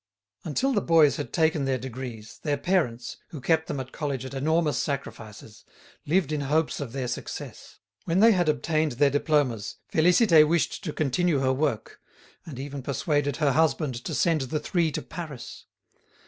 Until the boys had taken their degrees, their parents, who kept them at college at enormous sacrifices, lived in hopes of their success. When they had obtained their diplomas Félicité wished to continue her work, and even persuaded her husband to send the three to Paris.